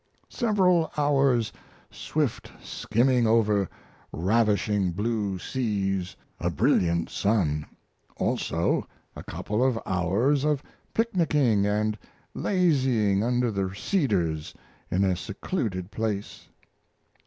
Several hours' swift skimming over ravishing blue seas, a brilliant sun; also a couple of hours of picnicking & lazying under the cedars in a secluded place.